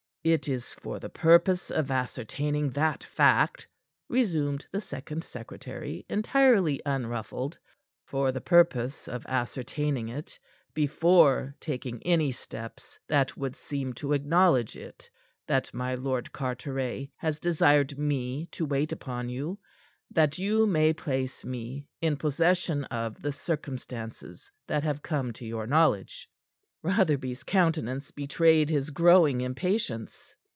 "It is for the purpose of ascertaining that fact," resumed the second secretary, entirely unruffled, "for the purpose of ascertaining it before taking any steps that would seem to acknowledge it, that my Lord Carteret has desired me to wait upon you that you may place me in possession of the circumstances that have come to your knowledge." Rotherby's countenance betrayed his growing impatience.